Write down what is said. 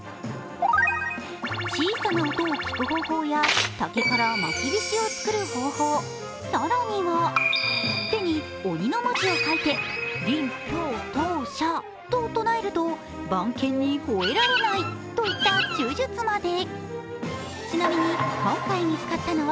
小さな音を聞く方法や竹からまきびしを作る方法、更には手に鬼の文字を書いて、臨、兵、闘、者と九字を切ると番犬にほえられないといった呪術まで。